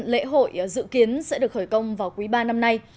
lễ hội dự kiến sẽ được khởi công vào quý ba năm nay